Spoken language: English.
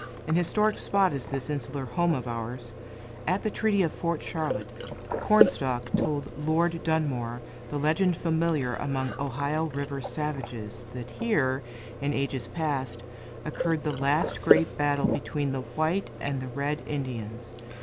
An historic spot is this insular home of ours. At the treaty of Fort Charlotte, Cornstalk told Lord Dunmore the legend familiar among Ohio River savages that here, in ages past, occurred the last great battle between the white and the red Indians.